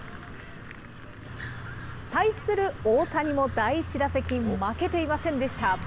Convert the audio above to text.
対する大谷も第１打席、負けていませんでした。